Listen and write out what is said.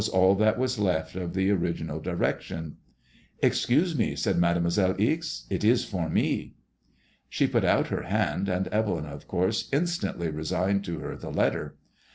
all that was left of the origmal direction. '' Excuse me/' said Made moiselle Ixe, it is for me." She put out her hand, and Evelyn, of course, instantly re signed to her the letter.